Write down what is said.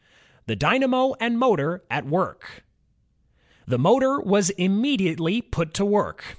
The Dynamo and Motor at Work The motor was immediately put to work.